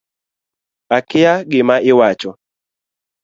Akia gima iwacho